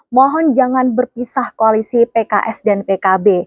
mohon jangan berpisah koalisi pks dan pkb